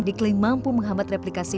dikling mampu menghambat replikasi